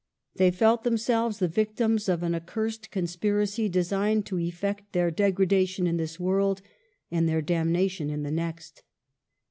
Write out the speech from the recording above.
They felt themselves the victims of an accursed conspiracy, designed to eflect their degradation in this world and their damnation in the next.